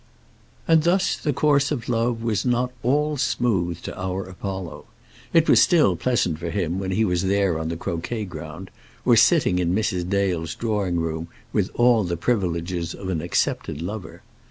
And thus the course of love was not all smooth to our Apollo. It was still pleasant for him when he was there on the croquet ground, or sitting in Mrs. Dale's drawing room with all the privileges of an accepted lover.